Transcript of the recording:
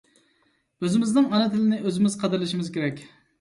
ئۆزىمىزنىڭ ئانا تىلىنى ئۆزىمىز قەدىرلىشىمىز كېرەك.